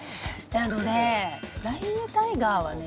あのねフライングタイガーはね